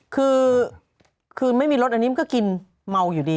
คือคืนไม่มีรถอันนี้มันก็กินเมาอยู่ดี